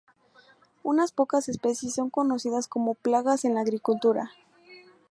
Unas pocas especies son conocidas como plagas en la agricultura.